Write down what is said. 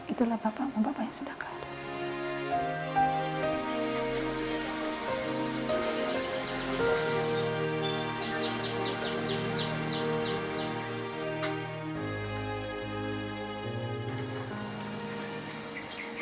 itulah bapak bapak yang sudah kalah